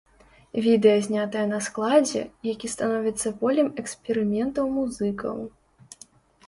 Відэа знятае на складзе, які становіцца полем эксперыментаў музыкаў.